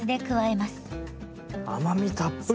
甘みたっぷり！